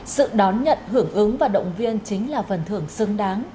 sự đón nhận hưởng ứng và động viên chính là phần thưởng xứng đáng